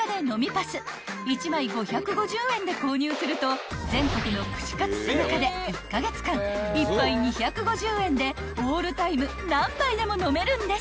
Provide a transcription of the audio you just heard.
［１枚５５０円で購入すると全国の串カツ田中で１カ月間１杯２５０円でオールタイム何杯でも飲めるんです］